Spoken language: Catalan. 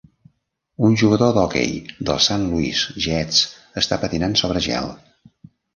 Un jugador d'hoquei dels St Louis Jets està patinant sobre gel